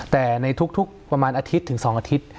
แต่ในทุกประมาณอาทิตย์ถึง๒อาทิตย์